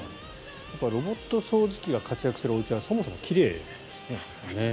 ロボット掃除機が活躍するおうちはそもそも奇麗ですね。